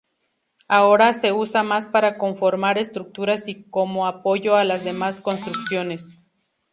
Ahora, se usa más para conformar estructuras y como apoyo a las demás construcciones.